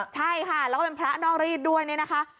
ใช่ค่ะแล้วก็เป็นพระนอกรีดด้วยเนี่ยนะคะ